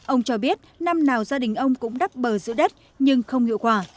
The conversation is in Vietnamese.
ông cho biết năm nào gia đình ông cũng đắp bờ giữ đất nhưng không hiệu quả